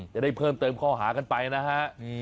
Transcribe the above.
จะได้เพิ่มเติมข้อหากันไปนะฮะ